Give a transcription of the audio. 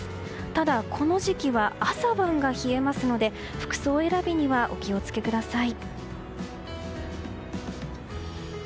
ただ、この時期は朝晩が冷えますので服装選びにはお気を付けください。